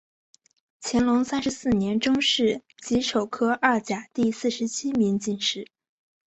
乾隆三十四年中式己丑科二甲第四十七名进士。